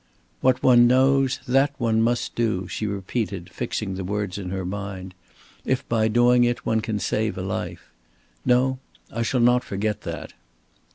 "What one knows, that one must do," she repeated, fixing the words in her mind, "if by doing it one can save a life. No, I shall not forget that."